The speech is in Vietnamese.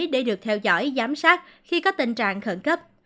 để được theo dõi giám sát khi có tình trạng khẩn cấp